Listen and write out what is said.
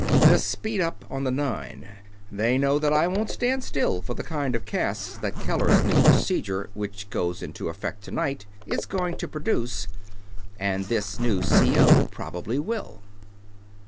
"This speed up on the Nine. They know that I won't stand still for the kind of casts that Keller's new procedure, which goes into effect tonight, is going to produce ... and this new C.O. probably will."